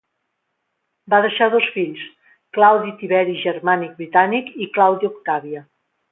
Va deixar dos fills, Claudi Tiberi Germànic Britànic i Clàudia Octàvia.